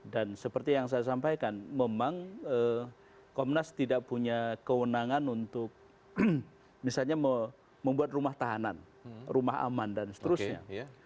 dan seperti yang saya sampaikan memang komnas tidak punya kewenangan untuk misalnya membuat rumah tahanan rumah aman dan seterusnya